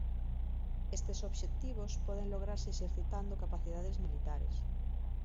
Estes obxectivos poden lograrse exercitando capacidades militares.